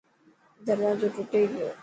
دروازو ٽٽي گيو.